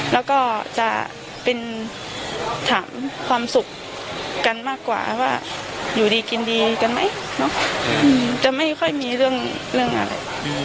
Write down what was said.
แล้วก็จะเป็นถามความสุขกันมากกว่าว่าอยู่ดีกินดีกันไหมจะไม่ค่อยมีเรื่องอะไร